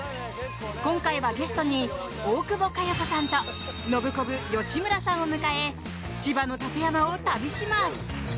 今回はゲストに大久保佳代子さんとノブコブ吉村さんを迎え千葉の館山を旅します。